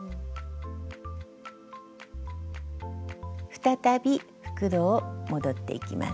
再び復路を戻っていきます。